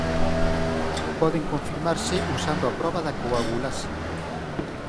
Poden confirmarse usando a proba da coagulase.